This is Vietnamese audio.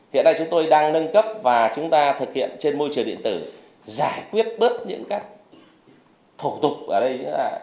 hiện nay chúng tôi đang nâng cấp và chúng ta thực hiện trên môi trường điện tử giải quyết bớt những thủ tục ở đây